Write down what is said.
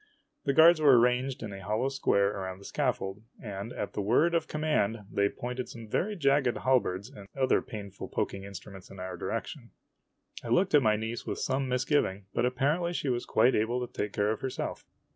The guards were arranged in a hollow square around the scaffold, and at the word of command they pointed some very jagged halberds and other painful poking instruments in our direc tion. I looked at my niece with some misgiving, but apparently she was quite able to take care of herself.